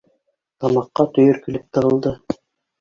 Тамаҡҡа төйөр килеп тығылды.